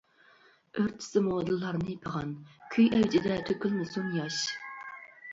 ئۆرتىسىمۇ دىللارنى پىغان، كۈي ئەۋجىدە تۆكۈلمىسۇن ياش.